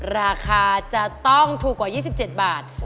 ราคาจะต้องถูกกว่า๒๗บาท